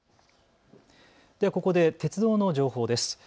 ではここで鉄道の情報です。